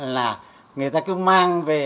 là người ta cứ mang về